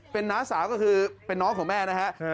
เป็นน้าสาวก็คือเป็นน้องของแม่นะฮะ